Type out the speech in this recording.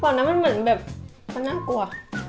ฝั่งนั้นเหมือนแบบมันน่ากลัว